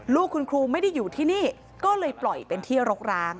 ลูกคุณครูไม่ได้อยู่ที่นี่ก็เลยปล่อยเป็นที่รกร้าง